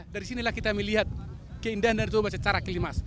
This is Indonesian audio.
dari sinilah kita melihat keindahan danau toba secara kelimas